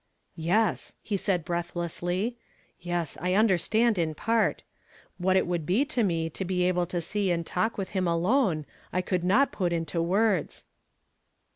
" Yes," he said breathlessly ; "yes, I understand in part. What it would be to me to be able to see and talk with him alone, I could not put into words."